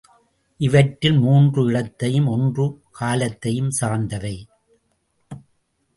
இவற்றில் மூன்று இடத்தையும், ஒன்று காலத்தையும் சார்ந்தவை.